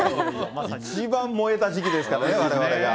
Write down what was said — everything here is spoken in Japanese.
一番燃えた時期ですからね、われわれが。